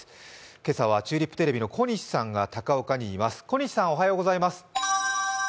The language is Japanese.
今朝はチューリップテレビの小西さんが高岡にいます。